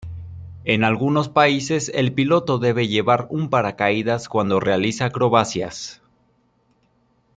En algunos países, el piloto debe llevar un paracaídas cuando realiza acrobacias.